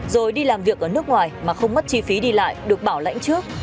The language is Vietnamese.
rồi đi làm việc ở nước ngoài mà không mất chi phí đi lại được bảo lãnh trước